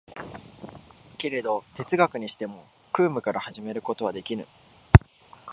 けれど哲学にしても空無から始めることはできぬ。